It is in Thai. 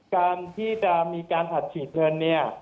การที่จะมีการหัดฉีดเงินเนี่ย